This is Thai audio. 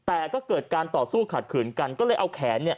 แต่ก็เกิดการต่อสู้ขัดขืนกันก็เลยเอาแขนเนี่ย